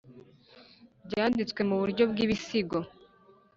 Byanditswe mu buryo bw ibisigo